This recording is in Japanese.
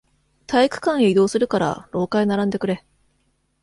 体育館へ移動するから、廊下へ並んでくれ。